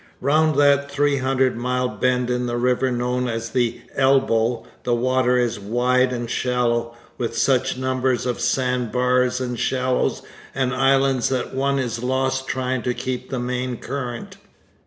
Round that three hundred mile bend in the river known as 'the Elbow' the water is wide and shallow, with such numbers of sand bars and shallows and islands that one is lost trying to keep the main current.